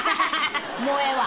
もうええわ。